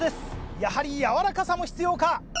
やはり柔らかさも必要か？